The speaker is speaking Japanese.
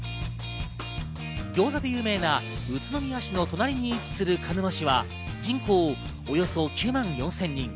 餃子で有名な宇都宮市の隣に位置する鹿沼市は人口およそ９万４０００人。